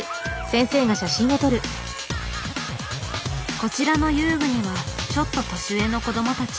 こちらの遊具にはちょっと年上の子どもたち。